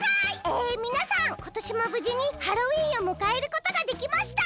えみなさんことしもぶじにハロウィーンをむかえることができました。